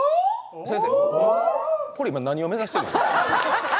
先生、これ今、何を目指してるんですか？